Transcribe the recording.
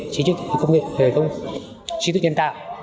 chí trực công nghệ về công nghệ chí trực nhân tạo